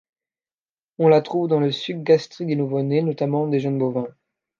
On la trouve dans le suc gastrique des nouveau-nés, notamment des jeunes bovins.